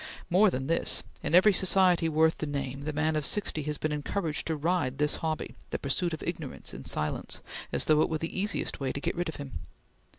More than this, in every society worth the name, the man of sixty had been encouraged to ride this hobby the Pursuit of Ignorance in Silence as though it were the easiest way to get rid of him.